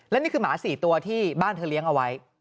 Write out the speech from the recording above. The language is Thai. และนี่คือหมา๔ตัวที่บ้านเธอเลี้ยงเอาไว้